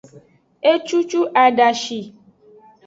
Ecucu adashi.